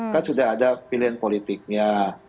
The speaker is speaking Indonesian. kan sudah ada pilihan politiknya